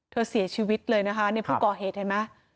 เสียชีวิตเลยนะคะในผู้ก่อเหตุเห็นไหม